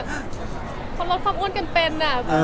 สำหรับพี่ฟุ้น่อนกันเป็นอะ